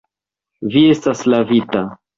Vi estas lavita.